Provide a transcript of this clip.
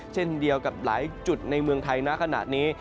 เช่นเดียวกับหลายจุดในเมืองไทยณขณะนี้